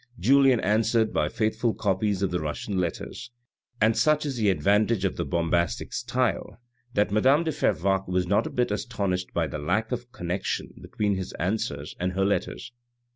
Julien answered by faithful copies of the Russian letters ; and such is the advantage of the bombastic style that madame de Fervaques was not a bit astonished by the lack of connec tion between his answers and her letters.